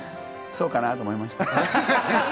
そうかなと思いました。